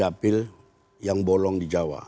ada banyak sekali dapat yang bolong di jawa